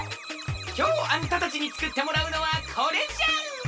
きょうあんたたちにつくってもらうのはこれじゃ！